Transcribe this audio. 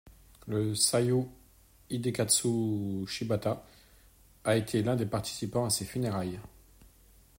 Le seiyū Hidekatsu Shibata a été l'un des participants à ses funérailles.